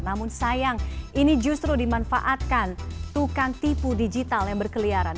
namun sayang ini justru dimanfaatkan tukang tipu digital yang berkeliaran